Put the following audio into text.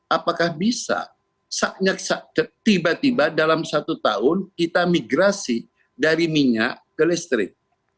apakah bisa tiba tiba dalam satu tahun kita migrasi dari minyak ke listrik